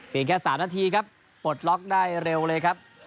แค่๓นาทีครับปลดล็อกได้เร็วเลยครับ